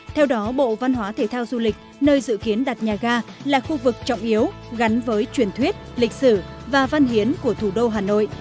theo đó bộ văn hóa thể thao du lịch nơi dự kiến đặt nhà ga là khu vực trọng yếu gắn với truyền thuyết lịch sử và văn hiến của thủ đô hà nội